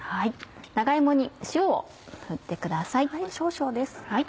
長芋に塩を振ってください。